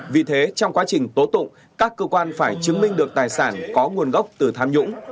vì thế trong quá trình tố tụng các cơ quan phải chứng minh được tài sản có nguồn gốc từ tham nhũng